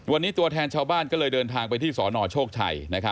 วันนี้ตัวแทนชาวบ้านก็เลยเดินทางไปที่สนโชคชัย